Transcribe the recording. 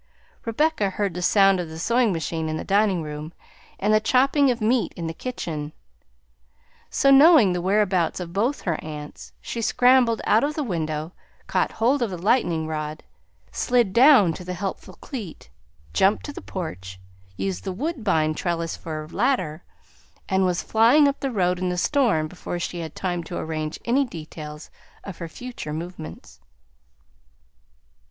Rebecca heard the sound of the sewing machine in the dining room and the chopping of meat in the kitchen; so knowing the whereabouts of both her aunts, she scrambled out of the window, caught hold of the lightning rod, slid down to the helpful cleat, jumped to the porch, used the woodbine trellis for a ladder, and was flying up the road in the storm before she had time to arrange any details of her future movements.